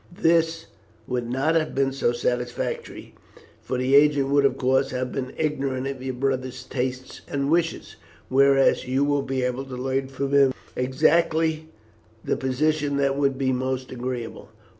This would not have been so satisfactory, for the agent would of course have been ignorant of your brother's tastes and wishes; whereas you will be able to learn from him exactly the position that would be most agreeable.